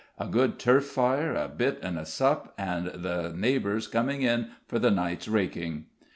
"A good turf fire, a bit and a sup and the neighbours coming in for the night's raking."